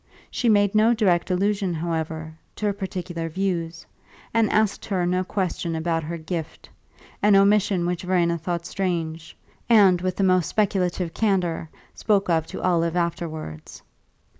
She made no direct allusion, however, to her particular views, and asked her no question about her "gift" an omission which Verena thought strange, and, with the most speculative candour, spoke of to Olive afterwards.